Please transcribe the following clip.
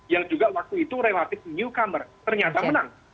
yang juga waktu itu relatif newcomer ternyata menang